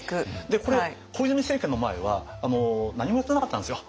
これ小泉政権の前は何もやってなかったんですよ。